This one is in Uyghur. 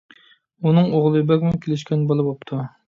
ئۇنىڭ ئوغلى بەكمۇ كېلىشكەن بالا بوپتۇ.